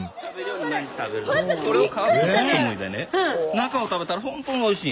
中を食べたらほんとにおいしい。